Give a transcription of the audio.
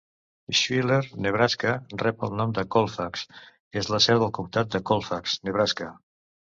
Schuyler, Nebraska, rep el nom de Colfax, és la seu del comtat de Colfax, Nebraska.